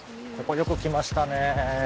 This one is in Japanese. ここよく来ましたね。